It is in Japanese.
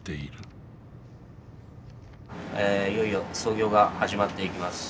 ええいよいよ操業が始まっていきます。